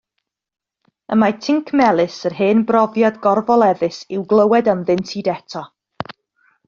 Y mae tinc melys yr hen brofiad gorfoleddus i'w glywed ynddynt hyd eto.